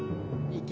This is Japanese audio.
いけ！